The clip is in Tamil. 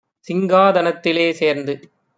சிங்கா தனத்திலே சேர்ந்து: